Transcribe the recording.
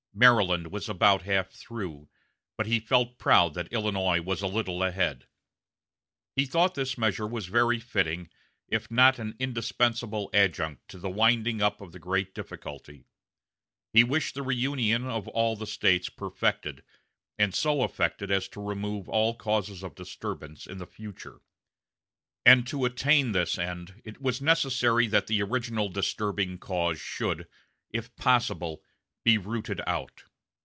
Maryland was about half through, but he felt proud that Illinois was a little ahead. He thought this measure was a very fitting, if not an indispensable, adjunct to the winding up of the great difficulty. He wished the reunion of all the States perfected, and so effected as to remove all causes of disturbance in the future; and to attain this end it was necessary that the original disturbing cause should, if possible, be rooted out.